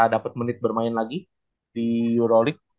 dapat menit bermain lagi di eurolik